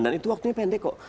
dan itu waktunya pendek kok